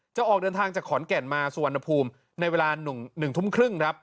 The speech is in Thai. จะออกเดินทางจากขอนแก่นมาสุวรรณภูมิในเวลา๑ทุ่มครึ่งครับ